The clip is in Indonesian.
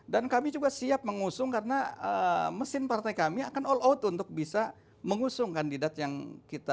dan kami juga siap mengusung karena mesin partai kami akan all out untuk bisa mengusung kandidat yang kita